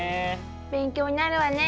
勉強になるわね。